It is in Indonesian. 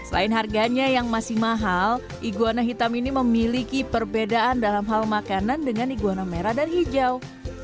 selain harganya yang masih mahal iguana hitam ini memiliki perbedaan dalam hal makanan dengan iguana merah dan hijau